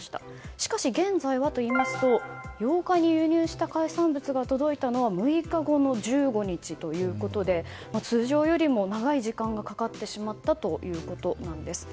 しかし、現在は８日に輸入した海産物が届いたのは６日後の１５日ということで通常よりも長い時間がかかってしまったということなんです。